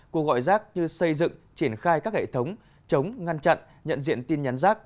cuộc gọi rác như xây dựng triển khai các hệ thống chống ngăn chặn nhận diện tin nhắn rác